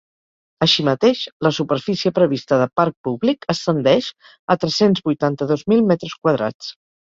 Així mateix, la superfície prevista de parc públic ascendeix a tres-cents vuitanta-dos mil metres quadrats.